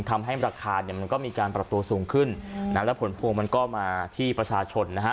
ทำให้ราคาเนี่ยมันก็มีการปรับตัวสูงขึ้นนะและผลพวงมันก็มาที่ประชาชนนะฮะ